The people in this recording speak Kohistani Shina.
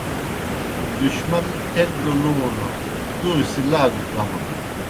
دُشمن ایک گہ لونوْ، دوسیْ لا گہ کمَن